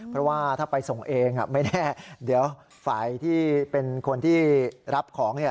เพราะว่าถ้าไปส่งเองไม่แน่เดี๋ยวฝ่ายที่เป็นคนที่รับของ